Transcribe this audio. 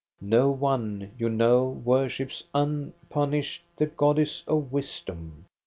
No one, you know, wor ships unpunished the goddess of wisdom.